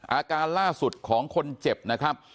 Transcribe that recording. อาการล่าสุดของคนเจ็บนะครับ